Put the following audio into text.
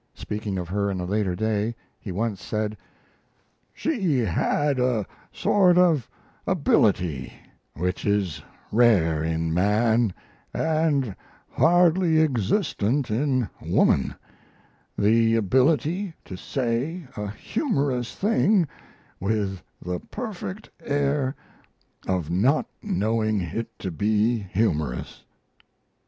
Speaking of her in a later day, he once said: "She had a sort of ability which is rare in man and hardly existent in woman the ability to say a humorous thing with the perfect air of not knowing it to be humorous."